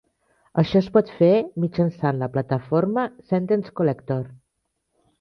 Això es pot fer mitjançant la plataforma Sentence Collector.